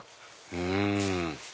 うん！